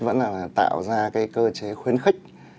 vẫn là tạo ra cái cơ chế khuyến khích